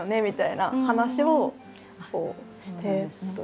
みたいな話をしてという。